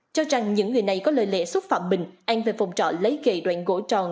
cho rằng những người này có lời lệ xúc phạm bình an về phòng trọ lấy gậy đoạn gỗ tròn